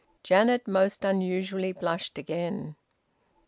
Janet most unusually blushed again.